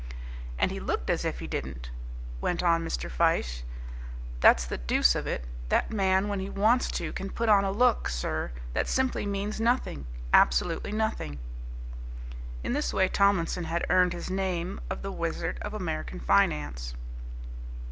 "And he looked as if he didn't!" went on Mr. Fyshe. "That's the deuce of it. That man when he wants to can put on a look, sir, that simply means nothing, absolutely nothing." In this way Tomlinson had earned his name of the Wizard of American Finance.